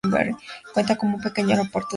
Cuenta con un pequeño aeropuerto de uso local.